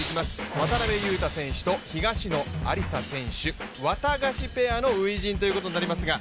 渡辺勇大選手と東野有紗選手ワタガシペアの初陣ということになりますが。